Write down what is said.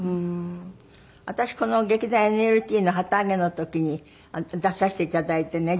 私この劇団ＮＬＴの旗揚げの時に出させて頂いてね。